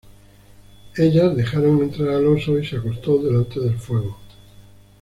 Ellas dejaron entrar al oso y se acostó delante del fuego.